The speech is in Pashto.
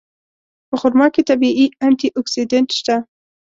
په خرما کې طبیعي انټي اکسېډنټ شته.